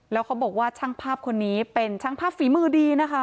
แล้วเขาบอกว่าช่างภาพคนนี้เป็นช่างภาพฝีมือดีนะคะ